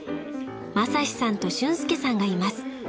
［真志さんと俊輔さんがいます］